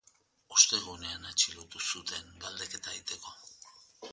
Ostegunean atxilotu zuten, galdeketa egiteko.